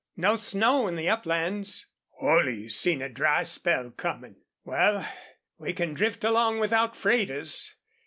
"No snow on the uplands." "Holley seen a dry spell comin'. Wal, we can drift along without freighters.